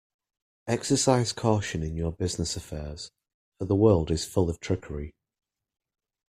Exercise caution in your business affairs, for the world is full of trickery.